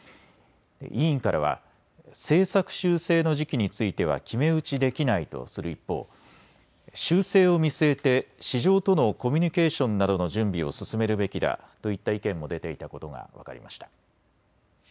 委員からは政策修正の時期については決め打ちできないとする一方、修正を見据えて市場とのコミュニケーションなどの準備を進めるべきだといった意見も出ていたことが分かりました。